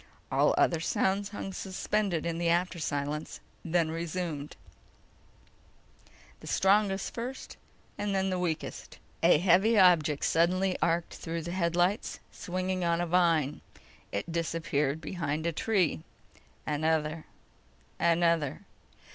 All other sounds hung suspended in after silence, then resumed: the strongest first and then the weakest. A heavy object suddenly arced through the headlights, swinging on a vine. It disappeared behind a tree. Another. Another.